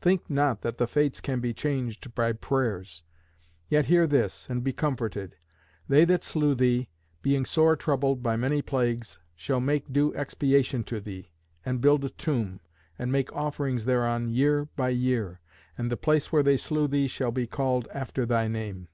Think not that the Fates can be changed by prayers. Yet hear this, and be comforted. They that slew thee, being sore troubled by many plagues, shall make due expiation to thee, and build a tomb, and make offerings thereon year by year; and the place where they slew thee shall be called after thy name."